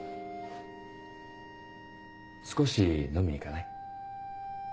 少し飲みに行かない？